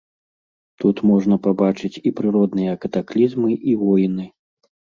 Тут можна пабачыць і прыродныя катаклізмы, і войны.